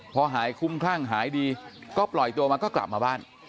พอหายคุ้มคลั่งหายดีก็ปล่อยตัวมาก็กลับมาบ้าน